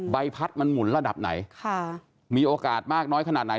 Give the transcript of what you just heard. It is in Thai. ใบพัดมันหมุนระดับไหนค่ะมีโอกาสมากน้อยขนาดไหน